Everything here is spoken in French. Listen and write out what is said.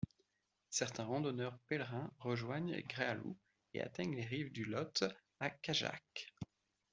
Certains randonneurs ou pèlerins rejoignent Gréalou, et atteignent les rives du Lot à Cajarc.